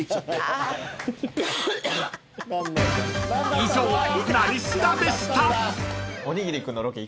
［以上「なり調」でした］